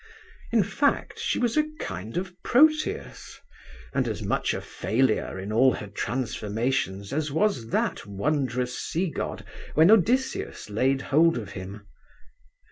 In fact, she was a kind of Proteus, and as much a failure in all her transformations as was that wondrous sea god when Odysseus laid hold of him.